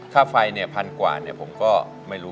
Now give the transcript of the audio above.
ค่าไฟ๑๐๐๐บาทกว่าผมก็ไม่รู้